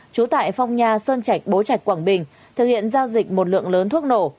chú tại phong nha sơn trạch bố trạch quảng bình thực hiện giao dịch một lượng lớn thuốc nổ